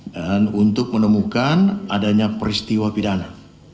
dan untuk menemukan adanya peristiwa pidana